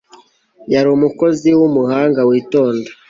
Yari umukozi wumuhanga witonda